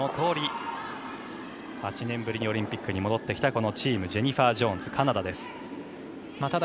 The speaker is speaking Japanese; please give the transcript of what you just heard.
そのとおり８年ぶりにオリンピックに戻ってきたチームジェニファー・ジョーンズカナダです。